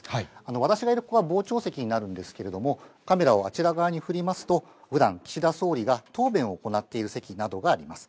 私がいるここが傍聴席になるんですけれども、カメラをあちら側に振りますと、ふだん、岸田総理が答弁を行っている席などがあります。